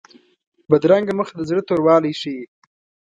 بدرنګه مخ د زړه توروالی ښيي